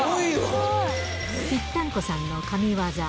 ぴったんこさんの神業。